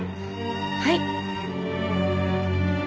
はい。